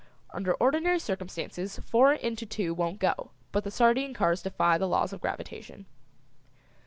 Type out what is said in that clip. Under ordinary circumstances four into two won't go, but the sardine cars defy the laws of gravitation.